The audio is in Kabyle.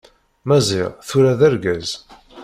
Maziɣ, tura d argaz.